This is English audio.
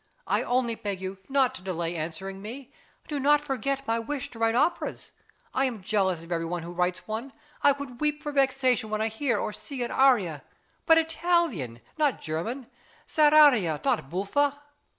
I only beg you not to delay answering me. Do not forget my wish to write operas! I am jealous of every one who writes one; I could weep for vexation when I hear or see an aria. But Italian, not German; seria, not buffa!